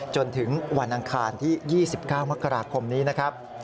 จนถึงวันอังคารที่๒๙มกราคมนี้นะครับ